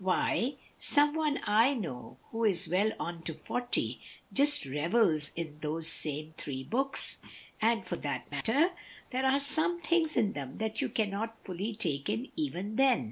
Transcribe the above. Why, some one I know, who is well on to forty, just revels in those same three books, and, for that matter, there are some things in them that you cannot fully take in even then.